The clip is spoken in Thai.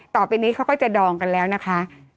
ต่อไปนี้เขาก็จะดองกันแล้วนะคะ